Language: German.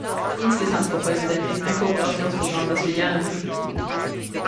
Insgesamt, Frau Präsidentin, ein Kooperationsprogramm, das wir gerne unterstützen!